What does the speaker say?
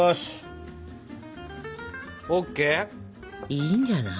いいんじゃない。